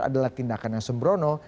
adalah tindakan yang sembrono